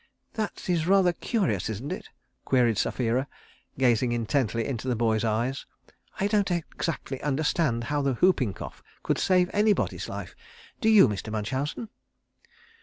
"That is rather curious, isn't it?" queried Sapphira, gazing intently into the boy's eyes. "I don't exactly understand how the whooping cough could save anybody's life, do you, Mr. Munchausen?"